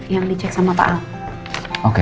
yang dicek sama pak al